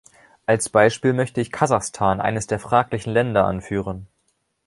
Als Beispiel möchte ich Kasachstan, eines der fraglichen Länder, anführen.